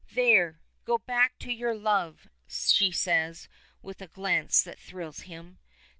"There! Go back to your love," she says with a glance that thrills him.